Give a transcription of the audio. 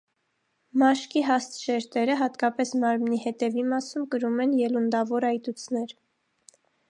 Մաշկի հաստ շերտերը, հատկապես մարմնի հետևի մասում, կրում են ելունդավոր այտուցներ։